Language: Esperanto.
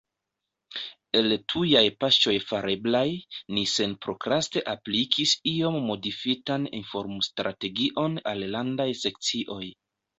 El tujaj paŝoj fareblaj, ni senprokraste aplikis iom modifitan informstrategion al Landaj Sekcioj.